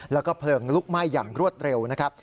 แล้วก็เพลิงลุกไหม้อย่างรวดเร็วนะครับ